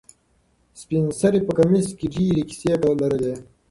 سپین سرې په کمیس کې ډېرې کیسې لرلې.